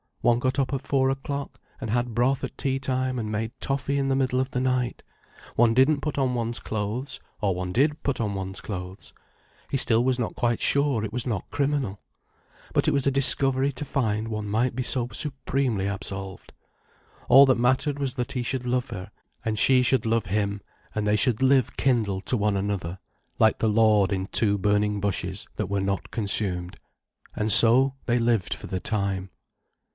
One got up at four o'clock, and had broth at tea time and made toffee in the middle of the night. One didn't put on one's clothes or one did put on one's clothes. He still was not quite sure it was not criminal. But it was a discovery to find one might be so supremely absolved. All that mattered was that he should love her and she should love him and they should live kindled to one another, like the Lord in two burning bushes that were not consumed. And so they lived for the time.